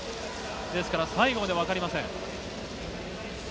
ですから、最後まで分かりません。